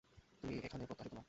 তুমি এখানে প্রত্যাশিত নও।